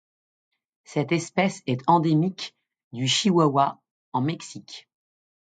Cette espèce est endémique du Chihuahua en Mexique.